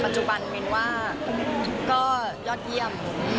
ปัจจุบันปรื่องเล่นยอดเยี่ยม